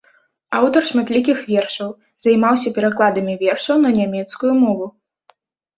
Аўтар шматлікіх вершаў, займаўся перакладамі вершаў на нямецкую мову.